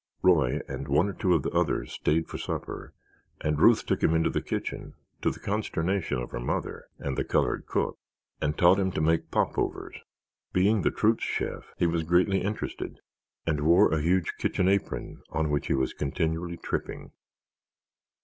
Roy and one or two of the others stayed for supper and Ruth took him into the kitchen (to the consternation of her mother and the colored cook) and taught him to make popovers. Being the troop's chef, he was greatly interested and wore a huge kitchen apron on which he was continually tripping.